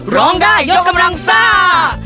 ร้องได้ยกกำลังซ่า